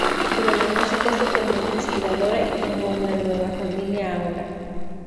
Pero la música es totalmente inspiradora y tengo una nueva familia ahora.